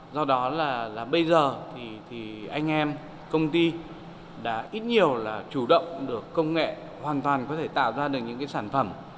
do đó là bây giờ thì anh em công ty đã ít nhiều là chủ động được công nghệ hoàn toàn có thể tạo ra được những cái sản phẩm